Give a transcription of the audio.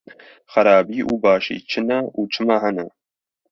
Xerabî û başî çi ne û çima hene?